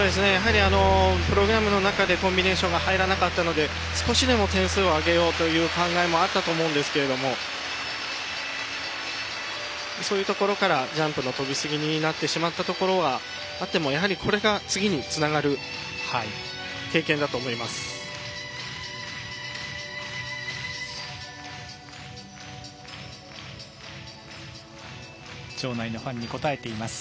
プログラムの中でコンビネーションが入らなかったので少しでも点数を上げようという考えもあったと思いますがそういうところからジャンプの跳びすぎになってしまったところはあってもこれが次につながる経験だと思います。